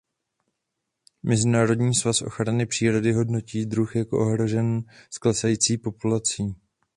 Mezinárodní svaz ochrany přírody hodnotí druh jako ohrožený s klesající populací.